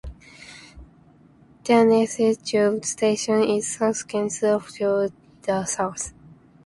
The nearest tube station is South Kensington to the south.